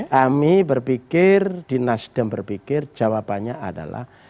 kami berpikir dinasidem berpikir jawabannya adalah